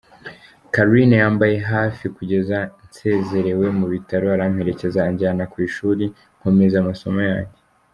Carine yambaye hafi kugeza nsezerewe mu bitaro aramperekeza anjyana ku ishuri nkomeza amasomo yanjye.